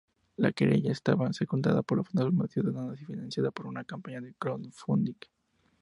La querella estaba secundada por plataformas ciudadanas y financiada por una campaña de crowdfunding.